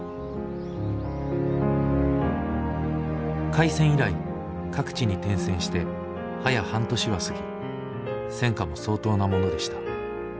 「開戦以来各地に転戦して早や半年は過ぎ戦果も相当なものでした。